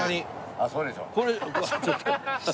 ああそうでしょ。